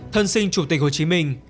thân sinh chủ tịch hồ chí minh